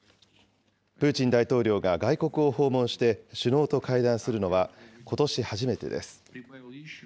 プーチン大統領が外国を訪問して首脳と会談するのは、ことし初めてです。